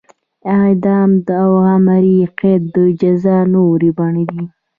اعدام او عمري قید د جزا نورې بڼې دي.